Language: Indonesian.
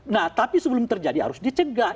nah tapi sebelum terjadi harus dicegah